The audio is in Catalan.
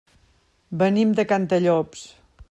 Venim de Cantallops.